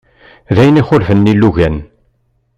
D ayen ixulfen ilugan.